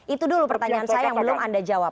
itu dulu pertanyaan saya yang belum anda jawab